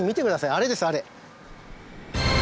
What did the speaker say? あれですよあれ。